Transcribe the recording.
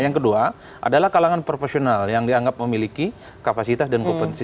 yang kedua adalah kalangan profesional yang dianggap memiliki kapasitas dan kompetensi